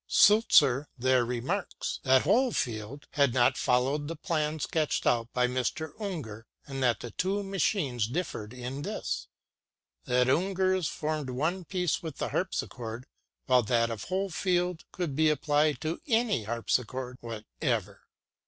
ŌĆØ Suizer there remarks, that Hohlfeld had not followed the plan sketched out by Mr. Unger, and that the two machines differed in this ŌĆö that UngerŌĆÖs formed one piece with the harpsichord, while that of Hohlfeld could be applied to any harpsichord whatever.